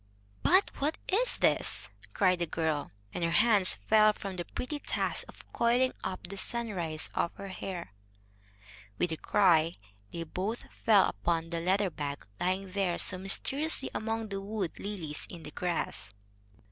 "But what is this?" cried the girl, and her hands fell from the pretty task of coiling up the sunrise of her hair. With a cry they both fell upon the leather bag, lying there so mysteriously among the wood lilies in the grass.